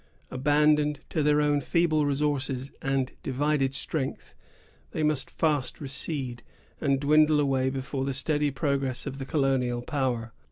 Abandoned to their own feeble resources and divided strength, they must fast recede, and dwindle away before the steady progress of the colonial power.